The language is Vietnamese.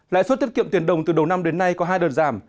lãi suất tiết kiệm tiền đồng từ đầu năm đến nay có hai đợt giảm